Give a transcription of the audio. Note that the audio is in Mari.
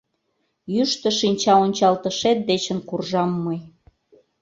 Йӱштӧ шинчаончалтышет дечын куржам мый.